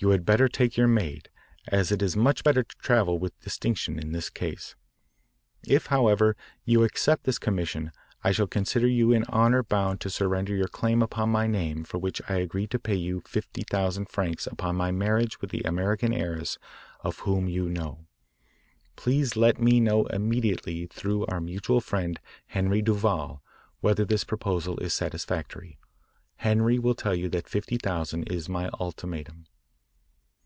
You had better take your maid, as it is much better to travel with distinction in this case. If, however, you accept this commission I shall consider you in honour bound to surrender your claim upon my name for which I agree to pay you fifty thousand francs upon my marriage with the American heiress of whom you know. Please let me know immediately through our mutual friend Henri Duval whether this proposal is satisfactory. Henri will tell you that fifty thousand is my ultimatum.